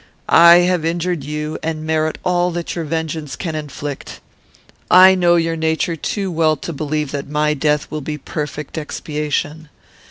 I have injured you, and merit all that your vengeance can inflict. I know your nature too well to believe that my death will be perfect expiation.